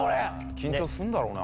緊張するんだろうな。